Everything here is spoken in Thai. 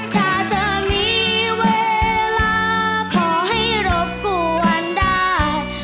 ถ้าเธอมีเวลาพอให้รบกวนได้